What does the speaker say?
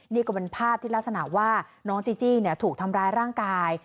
นี่ก็เป็นภาพที่ลักษณะว่าน้องจีจี้ถูกทำร้ายร่างกาย